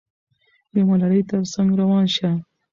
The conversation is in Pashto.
د ملالۍ تر څنګ روان شه.